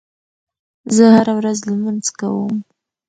زه هره ورځ لمونځ کوم.